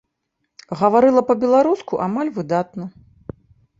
Гаварыла па-беларуску амаль выдатна.